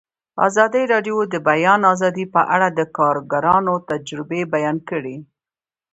ازادي راډیو د د بیان آزادي په اړه د کارګرانو تجربې بیان کړي.